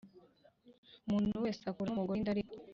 Umuntu wese ukuramo umugore inda ariko